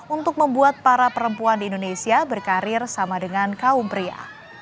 untuk membuat para perempuan di indonesia berkarir sama dengan kaum pria